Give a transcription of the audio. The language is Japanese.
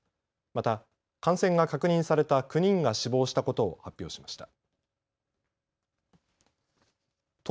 また、感染が確認された９人が死亡したことを発表しました。